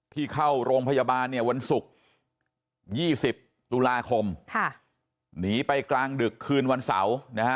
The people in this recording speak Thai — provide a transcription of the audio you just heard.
เข้าโรงพยาบาลเนี่ยวันศุกร์๒๐ตุลาคมหนีไปกลางดึกคืนวันเสาร์นะฮะ